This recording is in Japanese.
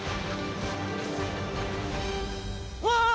うわ！